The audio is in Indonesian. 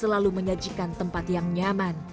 selalu menyajikan tempat yang nyaman